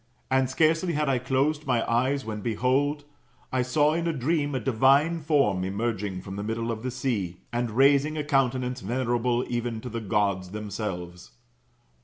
And scarcely had I closed my eyes, when behold, [I saw in a dream] a divine form emerging from the middle of the sea, and raising a countenance venerable even to the Gods themselves.